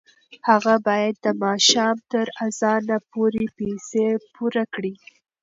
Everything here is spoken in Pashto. هغه باید د ماښام تر اذانه پورې پیسې پوره کړي.